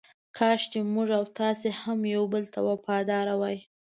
کاش چې موږ او تاسې هم یو بل ته وفاداره وای.